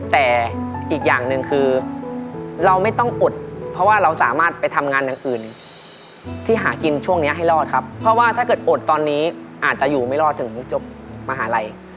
แต่อีกอย่างหนึ่งคือเราไม่ต้องอดเพราะว่าเราสามารถไปทำงานอย่างอื่นที่หากินช่วงนี้ให้รอดครับเพราะว่าถ้าเกิดอดตอนนี้อาจจะอยู่ไม่รอดถึงจบมหาลัย